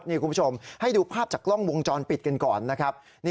คุณผู้ชมให้ดูภาพจากกล้องวงจรปิดกันก่อน